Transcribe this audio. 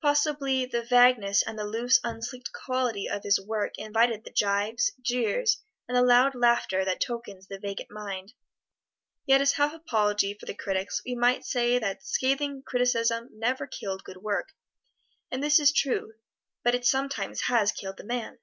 Possibly the vagueness, and the loose, unsleeked quality of his work invited the gibes, jeers, and the loud laughter that tokens the vacant mind; yet as half apology for the critics we might say that scathing criticism never killed good work; and this is true, but it sometimes has killed the man.